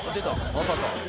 「まさか」